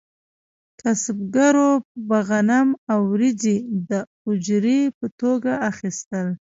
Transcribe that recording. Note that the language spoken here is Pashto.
کسبګرو به غنم او وریجې د اجورې په توګه اخیستل.